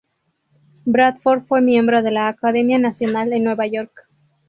Bradford fue miembro de la Academia Nacional, en New York.